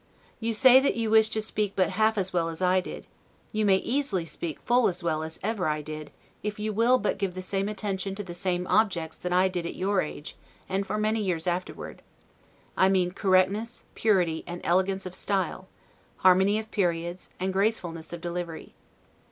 You say, that you wish to speak but half as well as I did; you may easily speak full as well as ever I did, if you will but give the same attention to the same objects that I did at your age, and for many years afterward; I mean correctness, purity, and elegance of style, harmony of periods, and gracefulness of delivery.